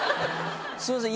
すいません